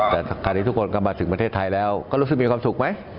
แต่คราวนี้ทุกคนก็มาถึงประเทศไทยแล้วก็รู้สึกมีความสุขไหม